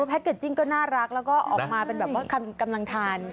เกจจิ้งก็น่ารักแล้วก็ออกมาเป็นแบบว่ากำลังทาน